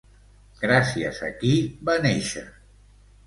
Gràcies a qui va néixer?